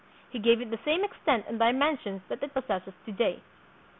He gave it the same extent and dimensions that it possesses to this day.